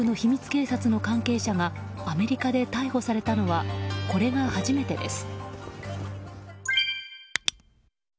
警察の関係者がアメリカで逮捕されたのはこれが初めてです。